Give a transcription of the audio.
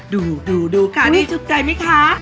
ดูค่ะนี่ชุดใจมั้ยคะ